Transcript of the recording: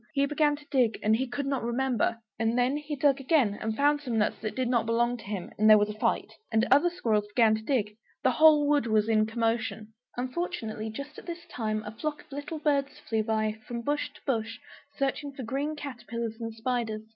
He began to dig, and he could not remember. And then he dug again and found some nuts that did not belong to him; and there was a fight. And other squirrels began to dig, the whole wood was in commotion! Unfortunately, just at this time a flock of little birds flew by, from bush to bush, searching for green caterpillars and spiders.